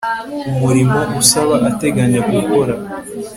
umurimo usaba ateganya gukora